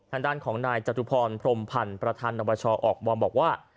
ทางด้านของนายจตุพรพรมพันธ์ประธานอบชออกมาบอกว่า